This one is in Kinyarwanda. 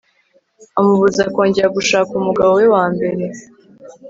amubuza kongera gushaka umugabo we wa mbere